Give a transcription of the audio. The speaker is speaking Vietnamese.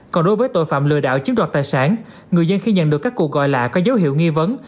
còn đối với tội phạm lừa đảo chiếm đoạt tài sản người dân khi nhận được các cuộc gọi lạ có dấu hiệu nghi vấn